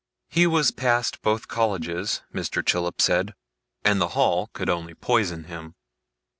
He was past both Colleges, Mr. Chillip said, and the Hall could only poison him.